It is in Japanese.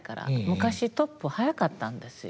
昔トップ早かったんですよ。